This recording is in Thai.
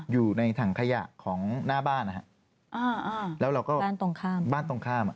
อยู่ในถังขยะของหน้าบ้านบ้านตรงข้าม